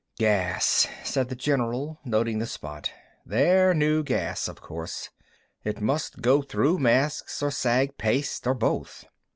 "Gas," said the general, noting the spot. "Their new gas, of course. It must go through masks or sag paste, or both."